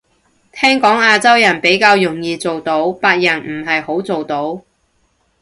聽講亞洲人比較容易做到，白人唔係好做到